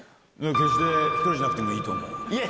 決して１人じゃなくてもいいいや